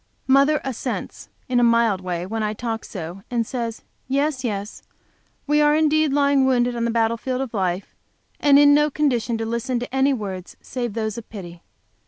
Mother assents, in a mild way, when I talk so and says, "Yes, yes, we are indeed lying wounded on the battle field of life, and in no condition to listen to any words save those of pity.